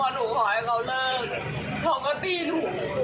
หนูขอให้เขาเลิกเขาก็ตีหนู